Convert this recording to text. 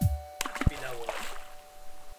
Aquidauana